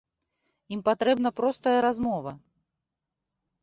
Ім патрэбна простая размова.